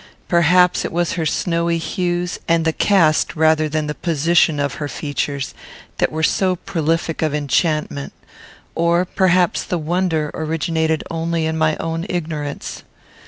Perhaps it was her snowy hues, and the cast rather than the position of her features, that were so prolific of enchantment; or perhaps the wonder originated only in my own ignorance.